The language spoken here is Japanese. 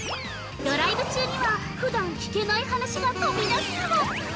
ドライブ中には、ふだん聞けない話が飛びだすかも！？